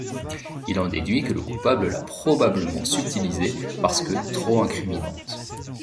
Il en déduit que le coupable l'a probablement subtilisée parce que trop incriminante.